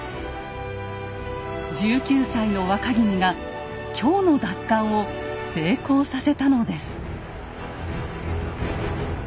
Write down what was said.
１９歳の若君が京の奪還を成功させたのです。